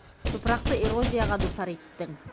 Тупраҡты эрозияға дусар иттең.